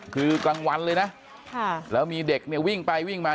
คือกลางวันเลยนะแล้วมีเด็กเนี่ยวิ่งไปวิ่งมา